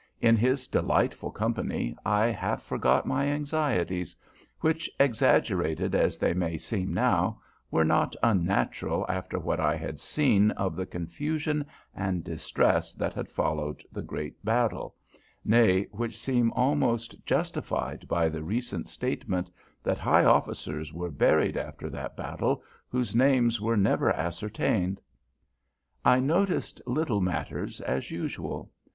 In his delightful company I half forgot my anxieties, which, exaggerated as they may seem now, were not unnatural after what I had seen of the confusion and distress that had followed the great battle, nay, which seem almost justified by the recent statement that "high officers" were buried after that battle whose names were never ascertained. I noticed little matters, as usual.